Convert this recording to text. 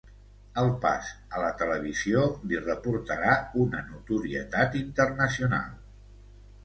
El pas a la televisió li reportarà una notorietat internacional.